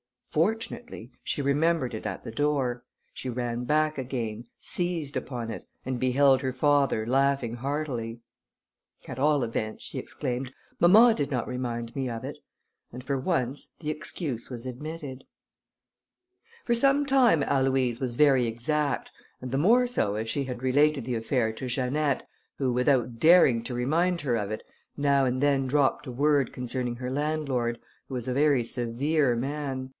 Fortunately, she remembered it at the door; she ran back again, seized upon it, and beheld her father laughing heartily. "At all events," she exclaimed, "mamma did not remind me of it," and for once the excuse was admitted. For some time Aloïse was very exact, and the more so as she had related the affair to Janette, who without daring to remind her of it, now and then dropped a word concerning her landlord, who was a very severe man.